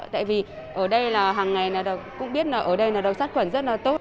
tại vì ở đây là hằng ngày cũng biết là ở đây là đồng sát khuẩn rất là tốt